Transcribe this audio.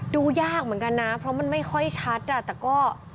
ดูยากเหมือนกันนะเพราะมันไม่ค่อยชัดอ่ะแต่ก็